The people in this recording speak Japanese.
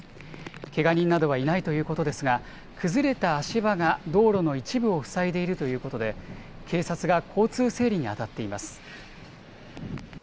けが人などはいないということですが、崩れた足場が道路の一部を塞いでいるということで、警察が交通整理に当たっています。